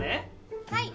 はい。